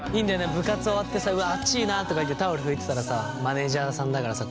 部活終わってさうわあっちいなとか言ってタオルで拭いてたらさマネージャーさんだからさ